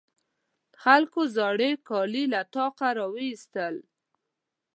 خلکو زاړې کالي له طاقه راواېستل.